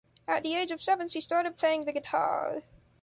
At the age of seven she started playing the guitar.